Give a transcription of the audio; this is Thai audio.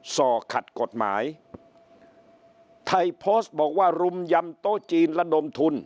สอขัดกฎหมายไทพอสบอกว่ารุมยำโตจีนและดมทุน